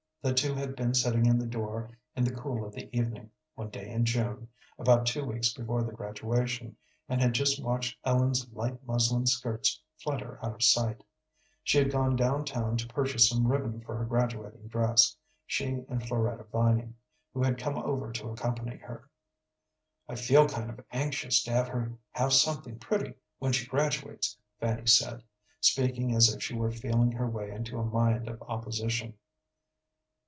The two had been sitting in the door in the cool of the evening, one day in June, about two weeks before the graduation, and had just watched Ellen's light muslin skirts flutter out of sight. She had gone down town to purchase some ribbon for her graduating dress she and Floretta Vining, who had come over to accompany her. "I feel kind of anxious to have her have something pretty when she graduates," Fanny said, speaking as if she were feeling her way into a mind of opposition.